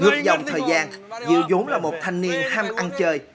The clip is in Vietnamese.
ngược dòng thời gian diệu dũng là một thanh niên ham ăn chơi